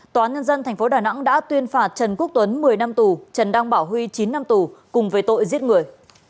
tòa nhân dân tp đà nẵng đã tuyên phạt trần quốc tuấn một mươi năm tù trần đăng bảo huy chín năm tù cùng với tội giết người